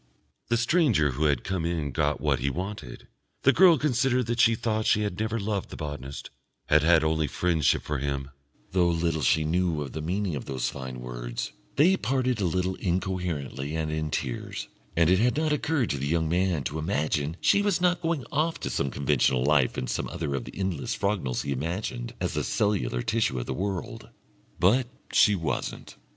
The stranger who had come in got what he wanted; the girl considered that she thought she had never loved the botanist, had had only friendship for him though little she knew of the meaning of those fine words they parted a little incoherently and in tears, and it had not occurred to the young man to imagine she was not going off to conventional life in some other of the endless Frognals he imagined as the cellular tissue of the world. But she wasn't.